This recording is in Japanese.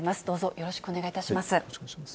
よろしくお願いします。